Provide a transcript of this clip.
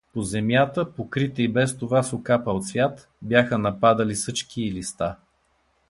По земята, покрита и без това с окапал цвят, бяха нападали съчки и листа.